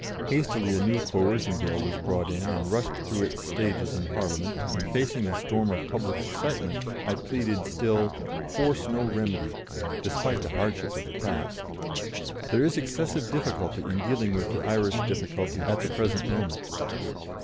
Hastily a new Coercion Bill was brought in, and rushed through its stages in Parliament, and, facing the storm of public excitement, I pleaded still, "Force no remedy," despite the hardship of the task. "There is excessive difficulty in dealing with the Irish difficulty at the present moment.